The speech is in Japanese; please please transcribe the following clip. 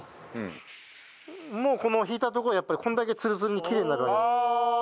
もうこのひいたとこはやっぱりこれだけツルツルにきれいになる。